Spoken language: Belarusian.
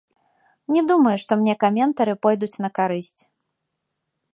Не думаю, што мне каментары пойдуць на карысць.